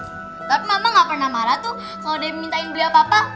kalau demi minta beli apa apa